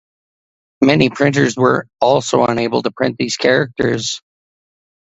Many printers were also unable to print these characters.